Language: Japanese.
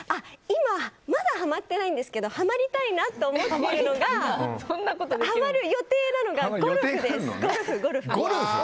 まだハマってないんですけどハマりたいなと思っているのがハマる予定なのがゴルフです。